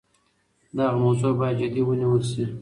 دغه موضوع باید جدي ونیول سي.